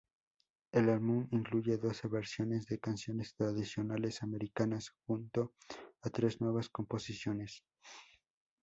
El álbum incluye doce versiones de canciones tradicionales americanas junto a tres nuevas composiciones.